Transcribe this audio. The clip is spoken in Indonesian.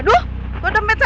aduh kok ada mat saya